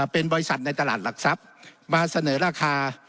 เป็นบริษัทในตลาดหลักทรัพย์มาเสนอราคา